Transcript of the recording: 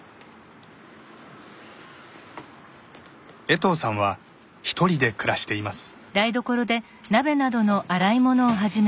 衛藤さんは１人で暮らしています。